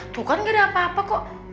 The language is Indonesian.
tuh kan gak ada apa apa kok